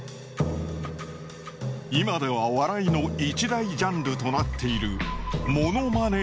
今では笑いの一大ジャンルとなっているモノマネ芸。